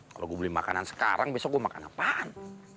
kalau gue beli makanan sekarang besok gue makan apaan